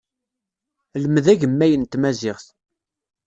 Lmed agemmay n tmaziɣt.